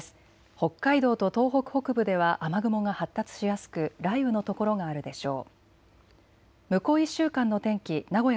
北海道と東北北部では雨雲が発達しやすく雷雨の所があるでしょう。